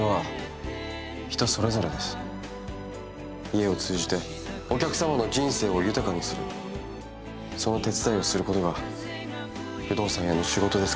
家を通じてお客様の人生を豊かにするその手伝いをすることが不動産屋の仕事ですから。